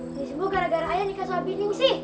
ini subuh gara gara ayah nikah sama bining sih